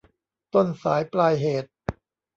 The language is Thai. ต้นสายปลายเหตุ